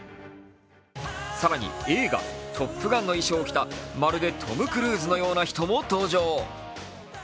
更に映画「トップガン」の衣装を着たまるでトム・クルーズのような人も登場。